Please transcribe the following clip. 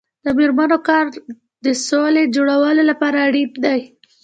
د میرمنو کار د سولې جوړولو لپاره اړین دی.